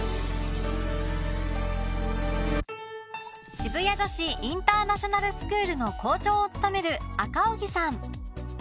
渋谷女子インターナショナルスクールの校長を務める赤荻さん。